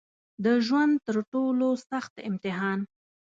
د ژوند تر ټولو سخت امتحان